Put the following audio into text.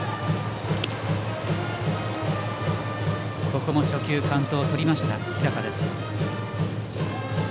ここも初球カウントをとりました日高。